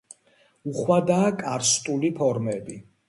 უხვადაა კარსტული ფორმები.